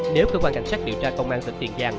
nếu cơ quan cảnh sát điều tra công an tịch tiền gian